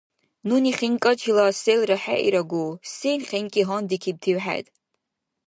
– Нуни хинкӀачила селра хӀеирагу, сен хинкӀи гьандикибтив хӀед?